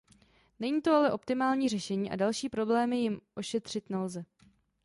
Není to ale optimální řešení a další problémy jím ošetřit nelze.